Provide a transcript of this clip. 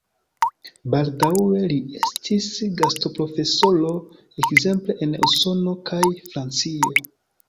Baldaŭe li estis gastoprofesoro ekzemple en Usono kaj Francio.